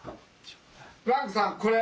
フランクさんこれ。